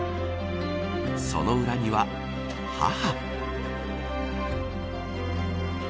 その裏には、母。